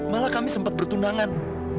malah kami sempet bertunangan